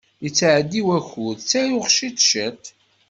Yettɛeddi wakud, ttaruɣ ciṭ ciṭ.